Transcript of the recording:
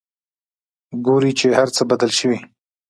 ګوري چې هرڅه بدل شوي.